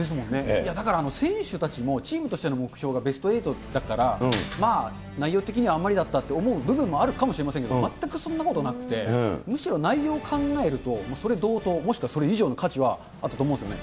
いや、だから選手たちも、チームとしての目標がベスト８だから、まあ、内容的にはあんまりだったと思う部分もあるかもしれませんけれども、全くそんなことなくて、むしろ内容考えると、それ同等、もしくはそれ以上の価値はあったと思うんですよね。